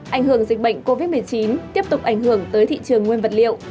ảnh hưởng dịch bệnh covid một mươi chín tiếp tục ảnh hưởng tới thị trường nguyên vật liệu